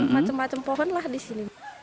macem macem pohon lah di sini